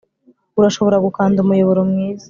urashobora gukanda umuyoboro mwiza,